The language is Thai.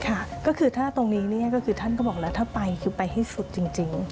ค่ะก็คือถ้าตรงนี้เนี่ยก็คือท่านก็บอกแล้วถ้าไปคือไปให้สุดจริง